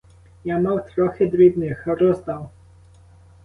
Я мав трохи дрібних — роздав.